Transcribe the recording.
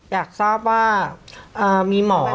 อยากทราบว่ามีหมอ